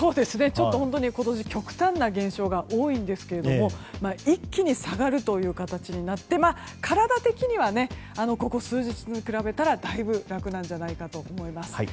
ちょっと今年極端な現象が多いんですけれども一気に下がるという形になって体的には、ここ数日に比べたらだいぶ楽なんじゃないかと思います。